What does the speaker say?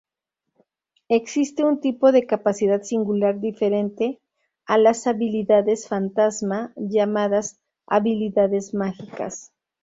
Existe un tipo de capacidad singular diferente a las Habilidades Fantasma llamadas Habilidades Mágicas.